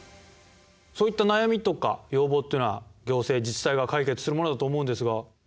そういった悩みとか要望っていうのは行政自治体が解決するものだと思うんですが？